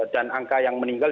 dan angka yang meninggal